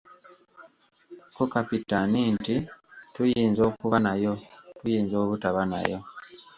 Ko Kapitaani nti tuyinza okuba nayo, tuyinza obutaba nayo.